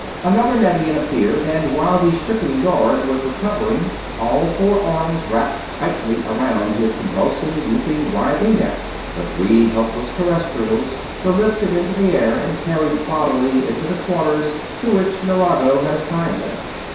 Another Nevian appeared, and while the stricken guard was recovering, all four arms wrapped tightly around his convulsively looping, writhing neck, the three helpless Terrestrials were lifted into the air and carried bodily into the quarters to which Nerado had assigned them.